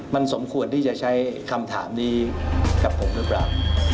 มันสมควรที่จะใช้คำถามนี้กับผมหรือเปล่า